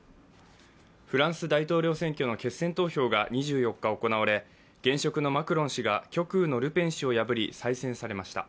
フランスの大統領選挙の決選投票が２４日行われ現職のマクロン氏が極右のルペン氏を破り再選されました。